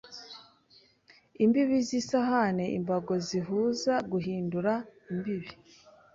imbibi zisahani imbago zihuzaguhindura imbibi